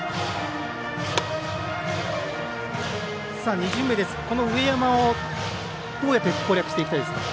２巡目です、この上山をどうやって攻略していきたいですか。